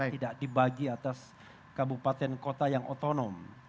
tidak dibagi atas kabupaten kota yang otonom